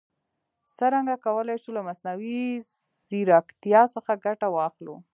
څرنګه کولای شو له مصنوعي ځیرکتیا څخه ګټه واخلو؟